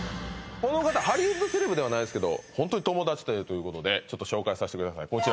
この方ハリウッドセレブではないですけどホントに友達だということでちょっと紹介させてください